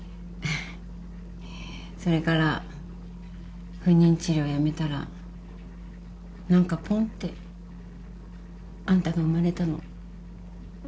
それから不妊治療やめたら何かポンってあんたが産まれたの。